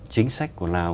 chính sách của lào